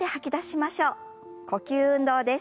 呼吸運動です。